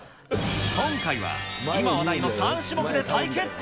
今回は今話題の３種目で対決。